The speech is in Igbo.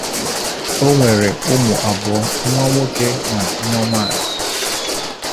Ọ nwere ụmụ abụọ; nwa nwoke na nwa nwanyi.